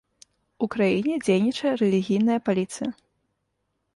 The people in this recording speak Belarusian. У краіне дзейнічае рэлігійная паліцыя.